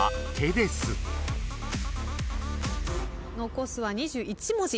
残すは２１文字。